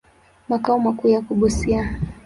Makao makuu yako Busia.